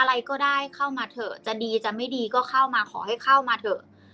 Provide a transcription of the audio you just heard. อะไรก็ได้เข้ามาเถอะจะดีจะไม่ดีก็เข้ามาขอให้เข้ามาเถอะ